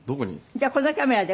じゃあこのカメラで。